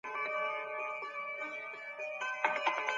ډيموکراټيکو نظامونو خلګو ته د وينا بشپړه ازادي ورکړه.